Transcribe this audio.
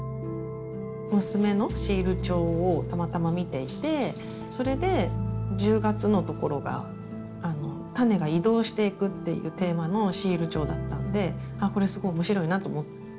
娘のシール帳をたまたま見ていてそれで１０月のところが種が移動していくっていうテーマのシール帳だったんであっこれすごい面白いなと思って。